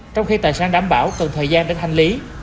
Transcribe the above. trong khi tài sản đảm bảo cần thời gian để hành lý